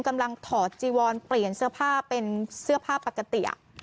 กำลังถอดจีวอนเปลี่ยนเสื้อผ้าเป็นเสื้อผ้าปากติ๋ยะ